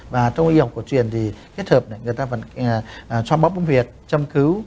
bằng phương pháp y học cổ truyền thì kết hợp người ta cho bóp bông huyệt châm cứu